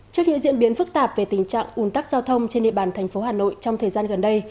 trước những diễn biến phức tạp về tình trạng ủn tắc giao thông trên địa bàn thành phố hà nội trong thời gian gần đây